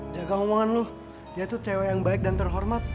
jangan ngomongan lo dia tuh cewek yang baik dan terhormat